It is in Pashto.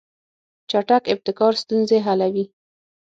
چټک ابتکار ستونزې حلوي.